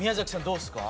どうですか？